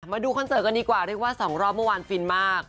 คอนเสิร์ตกันดีกว่าเรียกว่า๒รอบเมื่อวานฟินมาก